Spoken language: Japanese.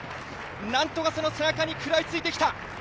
なんとかその背中に食らいついてきた。